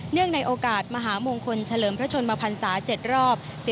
ในโอกาสมหามงคลเฉลิมพระชนมพันศา๗รอบ